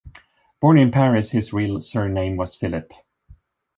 Born in Paris, his real surname was Philippe.